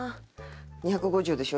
２５０でしょ？